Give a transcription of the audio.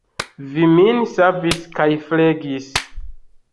Vi min savis kaj flegis.